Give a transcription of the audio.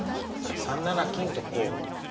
３七金とこう。